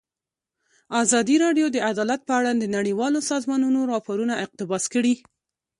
ازادي راډیو د عدالت په اړه د نړیوالو سازمانونو راپورونه اقتباس کړي.